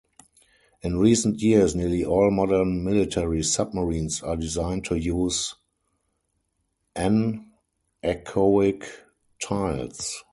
In recent years, nearly all modern military submarines are designed to use anechoic tiles.